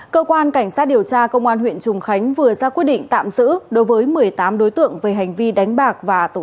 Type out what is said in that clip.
cơ quan cảnh sát điều tra công an huyện trùng khánh vừa ra quyết định tạm giữ